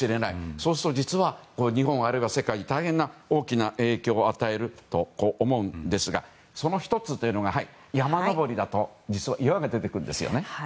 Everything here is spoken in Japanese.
そうすると実は日本、あるいは世界に大変大きな影響を与えると思うんですがその１つというのが山登りだと岩が出てくるんですよね。